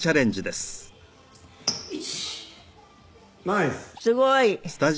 すごい！